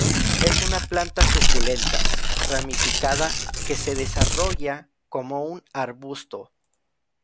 Es una planta suculentas ramificada que se desarrolla como un arbusto.